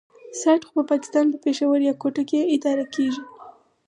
سایټ خو په پاکستان په پېښور يا کوټه کې اداره کېږي.